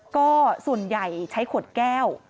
ก็ส่วนใหญ่ใช้ขวดแก้ว